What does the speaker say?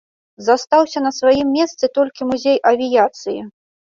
Застаўся на сваім месцы толькі музей авіяцыі.